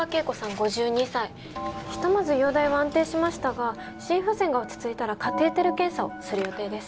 ５２歳ひとまず容体は安定しましたが心不全が落ち着いたらカテーテル検査をする予定です